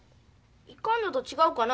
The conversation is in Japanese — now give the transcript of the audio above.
行かんのと違うかな。